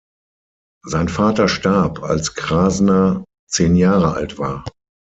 Sein Vater starb, als Krasner zehn Jahre alt war.